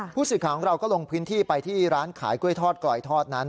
ผู้สื่อข่าวของเราก็ลงพื้นที่ไปที่ร้านขายกล้วยทอดกลอยทอดนั้น